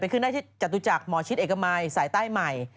ขึ้นได้ที่จตุจักรหมอชิดเอกมัยสายใต้ใหม่